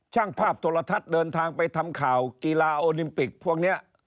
ช่างภาพโทรทัศน์เดินทางไปทำข่าวกีฬาโอลิมปิกพวกนี้